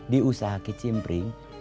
di usaha ke cimpring